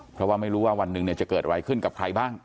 เพราะว่าไม่รู้ว่าวันหนึ่งจะเกิดอะไรขึ้นกับใครบ้าง